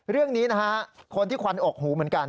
เรื่องนี้นะฮะคนที่ควันอกหูเหมือนกัน